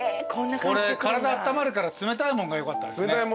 これ体あったまるから冷たい物がよかったですね。